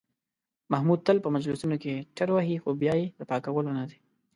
محمود تل په مجلسونو کې ټروهي، خو بیا یې د پاکولو نه دي.